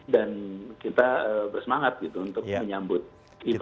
dan kita bersemangat untuk menyambut event